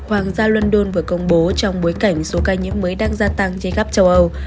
hoàng gia london vừa công bố trong bối cảnh số ca nhiễm mới đang gia tăng trên khắp châu âu